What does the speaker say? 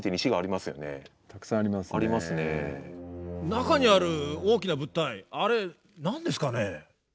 中にある大きな物体あれ何ですかね？